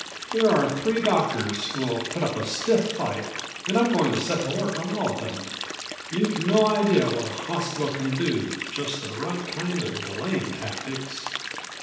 There are three doctors who will put up a stiff fight and I'm going to set to work on all of them. You've no idea what a hospital can do with just the right kind of delaying tactics."